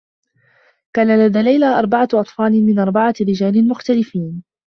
كان لدى ليلى أربعة أطفال من أربعة رجال مختلفين.